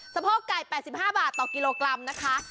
โพกไก่๘๕บาทต่อกิโลกรัมนะคะ